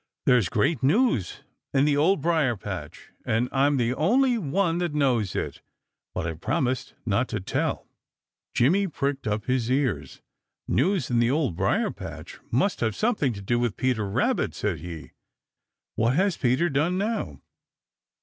"There's great news in the Old Briar patch, and I'm the only one that knows it, but I've promised not to tell." Jimmy pricked up his ears. "News in the Old Briar patch must have something to do with Peter Rabbit," said he. "What has Peter done now?"